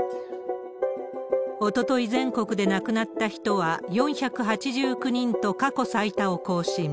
おととい全国で亡くなった人は、４８９人と過去最多を更新。